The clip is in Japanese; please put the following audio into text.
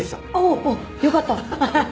おおっよかった。